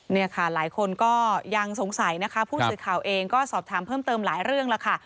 นี่ค่ะหลายคนก็ยังสงสัยนะคะผู้สื่อข่าวเองก็สอบถามเพิ่มเติมหลายเรื่องแล้วค่ะ